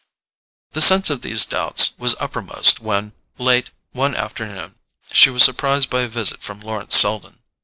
The sense of these doubts was uppermost when, late one afternoon, she was surprised by a visit from Lawrence Selden.